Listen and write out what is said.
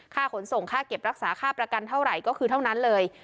ขนส่งค่าเก็บรักษาค่าประกันเท่าไหร่ก็คือเท่านั้นเลย